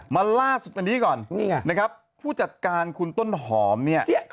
มาล่าสุดวันนี้ก่อนนะครับผู้จัดการคุณต้นหอมเนี่ย